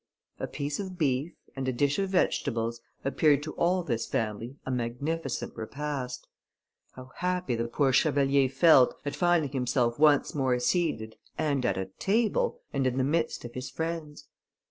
A piece of beef, and a dish of vegetables, appeared to all this family a magnificent repast. How happy the poor chevalier felt, at finding himself once more seated, and at table, and in the midst of his friends!